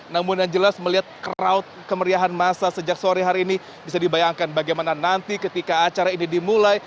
namun yang jelas melihat crowd kemeriahan masa sejak sore hari ini bisa dibayangkan bagaimana nanti ketika acara ini dimulai